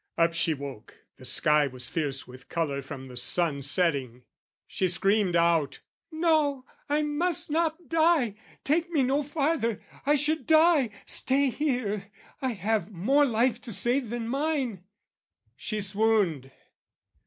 Up she woke. The sky was fierce with colour from the sun Setting. She screamed out "No, I must not die! "Take me no farther, I should die: stay here! "I have more life to save than mine!" She swooned.